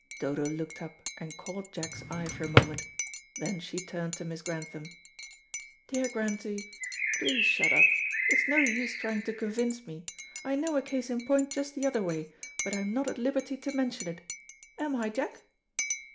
Dodo looked up and caught Jack's eye for a moment. Then she turned to Miss Grantham. "Dear Grantie, please shut up. It's no use trying to convince me. I know a case in point just the other way, but I am not at liberty to mention it. Am I, Jack?"